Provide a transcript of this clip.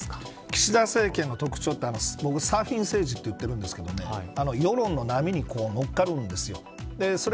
岸田政権の特徴って僕サーフィン政治と言ってるんですけど世論の波に乗っかるんですよ。